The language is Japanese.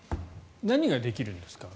何ができるんですか？